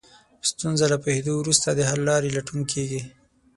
په ستونزه له پوهېدو وروسته د حل لارې لټون کېږي.